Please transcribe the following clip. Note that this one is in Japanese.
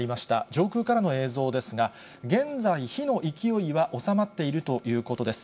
上空からの映像ですが、現在、火の勢いは収まっているということです。